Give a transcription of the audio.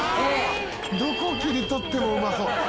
どこ切り取ってもうまそう。